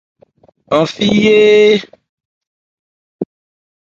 Aán fi hɛ́hɛ́hɛ́.